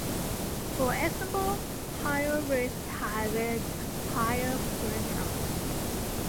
For example, higher risks have a higher premium.